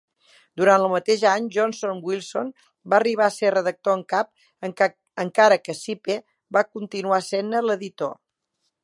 Durant el mateix any, Johnny Wilson va arribar a ser redactor en cap, encara que Sipe va continuar sent-ne l'editor.